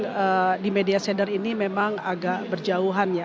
memang di media center ini memang agak berjauhan ya